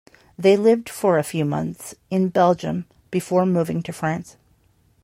They lived for a few months in Belgium before moving to France.